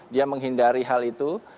dia menghindari hal itu